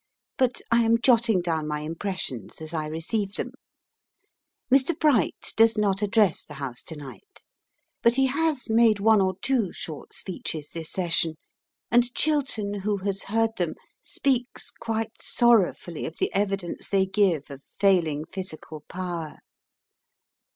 But I am jotting down my impressions as I receive them. Mr. Bright does not address the House to night, but he has made one or two short speeches this Session, and Chiltern, who has heard them, speaks quite sorrowfully of the evidence they give of failing physical power.